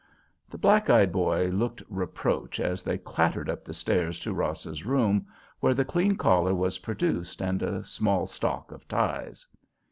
The black eyed boy looked reproach as they clattered up the stairs to Ross's room, where the clean collar was produced and a small stock of ties.